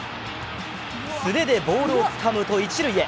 素手でボールをつかむと一塁へ。